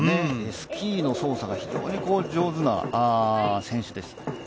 スキーの操作が非常に上手な選手です。